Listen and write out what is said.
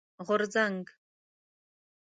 غورځنګ